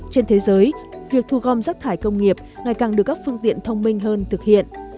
trên thế giới việc thu gom rác thải công nghiệp ngày càng được các phương tiện thông minh hơn thực hiện